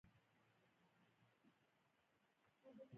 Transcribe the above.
هغه په ازموینو کې ناکامېده او فلسفې ته یې مخه کړه